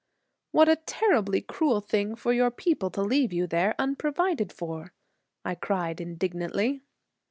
"What a terribly cruel thing for your people to leave you there unprovided for!" I cried, indignantly.